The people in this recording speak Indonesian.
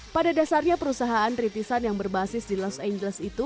pada dasarnya perusahaan rintisan yang berbasis di los angeles itu